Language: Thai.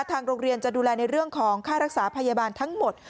ทางโรงเรียนจะดูแลในเรื่องของค่ารักษาพยาบาลทั้งหมด